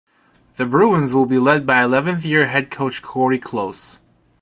The Bruins will be led by eleventh year head coach Cori Close.